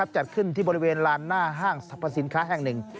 จัดขึ้นที่บริเวณลานหน้าห้างสรรพสินค้าแห่งหนึ่ง